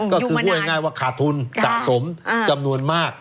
ก็คือพูดง่ายว่าขาดทุนสะสมจำนวนมาก